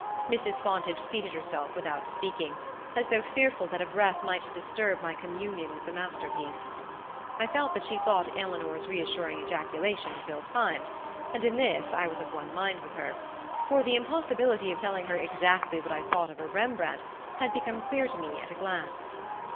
Mrs. Fontage seated herself without speaking, as though fearful that a breath might disturb my communion with the masterpiece. I felt that she thought Eleanor's reassuring ejaculations ill timed; and in this I was of one mind with her; for the impossibility of telling her exactly what I thought of her Rembrandt had become clear to me at a glance.